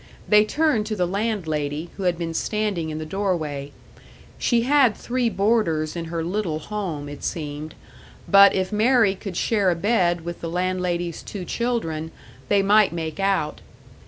They turned to the landlady, who had been standing in the doorway; she had three boarders in her little home, it seemed, but if Mary could share a bed with the landlady's two children, they might make out.